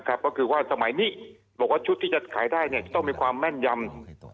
ก็คือว่าสมัยนี้มีชุดที่จะต้องมีความแม่นยำ๙๙๕